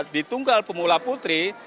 di tunggal pemula putri